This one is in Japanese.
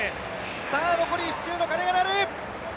残り１周の鐘が鳴る！